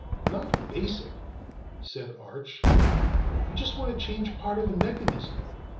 "Not basic," said Arch. "You just want to change part of the mechanism.